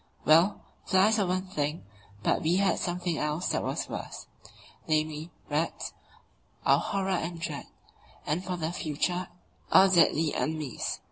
Well, flies are one thing, but we had something else that was worse namely, rats our horror and dread, and for the future our deadly enemies.